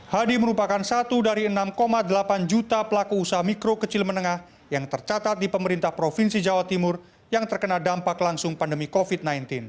hadi merupakan satu dari enam delapan juta pelaku usaha mikro kecil menengah yang tercatat di pemerintah provinsi jawa timur yang terkena dampak langsung pandemi covid sembilan belas